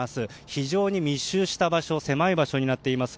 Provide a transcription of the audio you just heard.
非常に密集した場所狭い場所になっています。